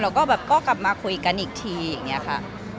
แล้วก็แบบก็กลับมาคุยกันอีกทีอย่างนี้ค่ะ